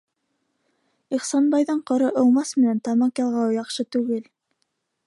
Ихсанбайҙың ҡоро ыумас менән тамаҡ ялғауы яҡшы түгел.